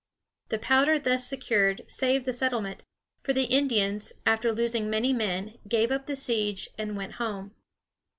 The powder thus secured saved the settlement; for the Indians, after losing many men, gave up the siege and went home.